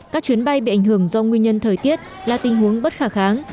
các chuyến bay bị ảnh hưởng do nguyên nhân thời tiết là tình huống bất khả kháng